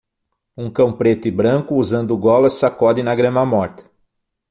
Um cão preto e branco usando golas sacode na grama morta.